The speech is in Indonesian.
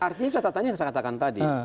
artinya catatannya yang saya katakan tadi